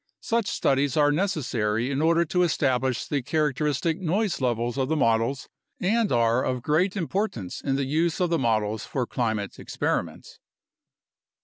Such studies are neces sary in order to establish the characteristic noise levels of the models and are of great importance in the use of the models for climate ex periments.